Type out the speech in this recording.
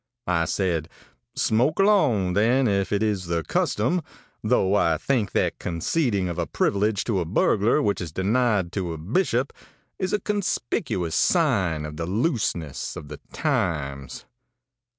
ãI said: 'Smoke along, then, if it is the custom, though I think that the conceding of a privilege to a burglar which is denied to a bishop is a conspicuous sign of the looseness of the times.